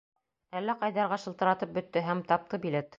Әллә ҡайҙарға шылтыратып бөттө, һәм тапты билет!